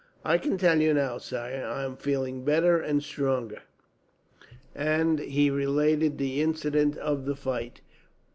"I can tell you now, sire. I am feeling better and stronger." And he related the incidents of the fight.